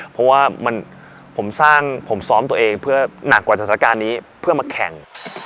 เพราะว่าผมสร้างผมซ้อมตัวเองเพื่อหนักกว่าสถานการณ์นี้เพื่อมาแข่ง